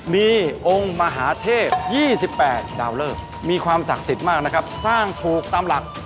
มีองค์มหาเทพ๒๘ดาวเลิกมีความศักดิ์สิทธิ์มากนะครับสร้างถูกตามหลัก